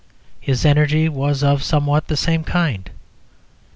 His energy was of somewhat the same kind.